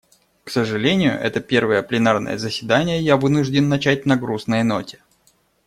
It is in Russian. К сожалению, это первое пленарное заседание я вынужден начать на грустной ноте.